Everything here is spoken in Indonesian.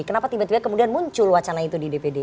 kenapa tiba tiba kemudian muncul wacana itu di dpd